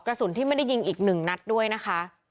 กระสุนที่ไม่ได้ยิงอีก๑นัดด้วยนะคะ